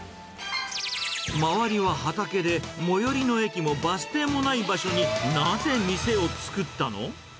周りは畑で最寄りの駅もバス停もない場所になぜ店を作ったの？